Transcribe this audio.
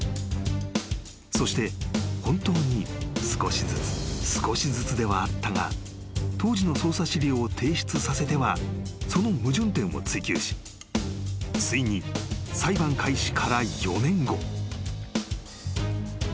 ［そして本当に少しずつ少しずつではあったが当時の捜査資料を提出させてはその矛盾点を追及しついに裁判開始から４年後］